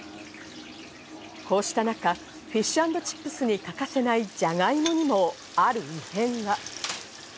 こうした中、フィッシュアンドチップスに欠かせないじゃがいもにも、ある異変が。